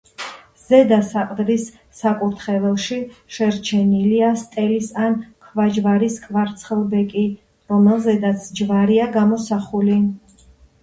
ზედა საყდრის საკურთხეველში შერჩენილია სტელის ან ქვაჯვარის კვარცხლბეკი, რომელზედაც ჯვარია გამოსახული.